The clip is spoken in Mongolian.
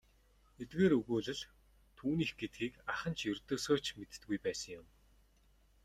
Эдгээр өгүүлэл түүнийх гэдгийг ах нь ердөөсөө ч мэддэггүй байсан юм.